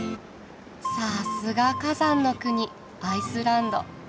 さすが火山の国アイスランド。